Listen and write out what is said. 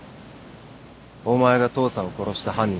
お前が父さんを殺した犯人だな。